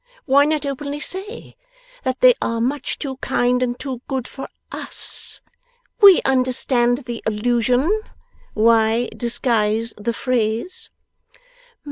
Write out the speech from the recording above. Why not openly say that they are much too kind and too good for US? We understand the allusion. Why disguise the phrase?